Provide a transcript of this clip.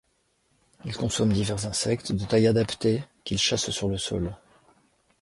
Il consomme divers insectes de taille adaptée qu'il chasse sur le sol.